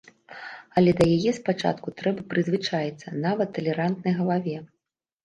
Але да яе спачатку трэба прызвычаіцца, нават талерантнай галаве.